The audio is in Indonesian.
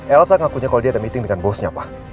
elsa ngakunya kalau dia ada meeting dengan bosnya pak